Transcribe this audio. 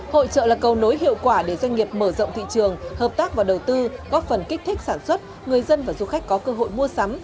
hội trợ là cầu nối hiệu quả để doanh nghiệp mở rộng thị trường hợp tác và đầu tư góp phần kích thích sản xuất người dân và du khách có cơ hội mua sắm